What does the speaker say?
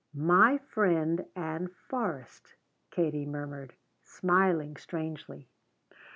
"My friend Ann Forrest!" Katie murmured, smiling strangely.